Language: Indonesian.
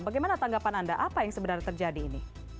bagaimana tanggapan anda apa yang sebenarnya terjadi ini